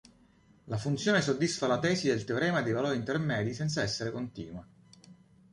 La funzione soddisfa la tesi del teorema dei valori intermedi senza essere continua.